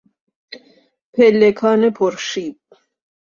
پلکان پرشیب